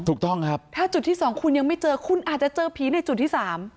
ถูกต้องครับถ้าจุดที่สองคุณยังไม่เจอคุณอาจจะเจอผีในจุดที่สาม